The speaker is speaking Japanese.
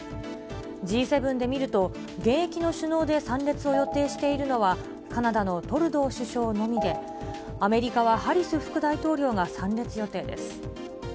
Ｇ７で見ると、現役の首脳で参列を予定しているのは、カナダのトルドー首相のみで、アメリカはハリス副大統領が参列予定です。